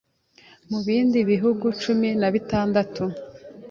mu bindi bihugu cumi nabitandatu